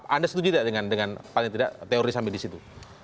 anda setuju tidak dengan paling tidak teori sampai di situ